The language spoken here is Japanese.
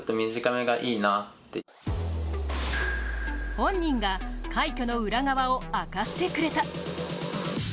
本人が快挙の裏側を明かしてくれた。